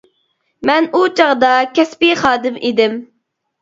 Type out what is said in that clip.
مەن ئۇ چاغدا كەسپى خادىم ئىدىم.